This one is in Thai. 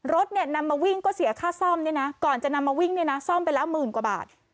รถเนี่ยนำมาวิ่งก็เสียค่าซ่อมเนี่ยนะก่อนจะนำมาวิ่งเนี่ยนะซ่อมไปแล้วหมื่นกว่าบาท